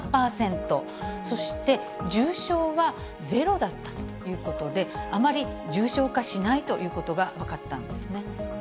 そして重症はゼロだったということで、あまり重症化しないということが分かったんですね。